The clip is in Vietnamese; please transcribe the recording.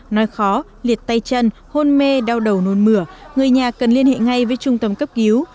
nói khó liệt tay chân hôn mê đau đầu nôn mửa người nhà cần liên hệ ngay với trung tâm cấp cứu